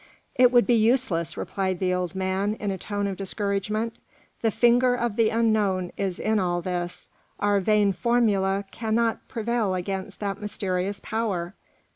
"It would be useless," replied the old man, in a tone of discouragement. "The finger of the Unknown is in all this; our vain formulæ cannot prevail against that mysterious power.